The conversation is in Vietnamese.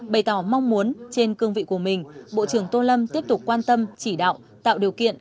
bày tỏ mong muốn trên cương vị của mình bộ trưởng tô lâm tiếp tục quan tâm chỉ đạo tạo điều kiện